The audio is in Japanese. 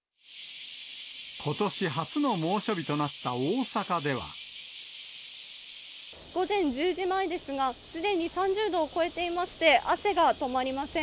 ことし初の猛暑日となった大午前１０時前ですが、すでに３０度を超えていまして、汗が止まりません。